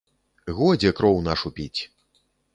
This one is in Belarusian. Годзе кроў нашу піць!